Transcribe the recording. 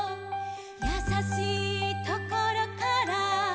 「やさしいところから」